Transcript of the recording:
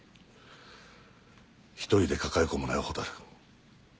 一人で抱え込むなよ蛍。